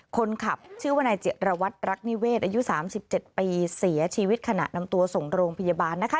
คนขับชื่อว่านายจิรวัตรรักนิเวศอายุ๓๗ปีเสียชีวิตขณะนำตัวส่งโรงพยาบาลนะคะ